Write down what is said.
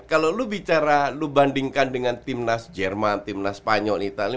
kalo lu bicara lu bandingkan dengan timnas jerman timnas spanyol italia